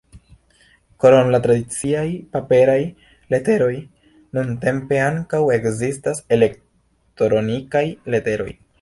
Krom la tradiciaj paperaj leteroj nuntempe ankaŭ ekzistas elektronikaj leteroj.